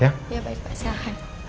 ya baik baik pak